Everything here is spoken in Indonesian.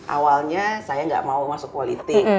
awalnya saya nggak mau masuk politik